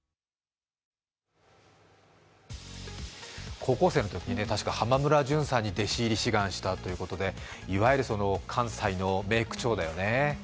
高校生のときに、確か浜村淳さんに弟子入りを志願したということで、いわゆる関西の名口調だよね。